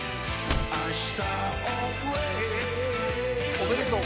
おめでとう。